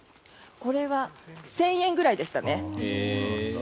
これは１０００円くらいでしたね。